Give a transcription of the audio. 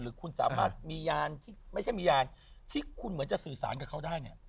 หรือคุณสามารถมียานที่ไม่ใช่มียานที่คุณเหมือนจะสื่อสารกับเขาได้เนี่ย